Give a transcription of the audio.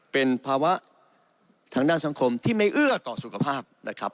เป็นภาวะทางด้านสังคมที่ไม่เอื้อต่อสุขภาพนะครับ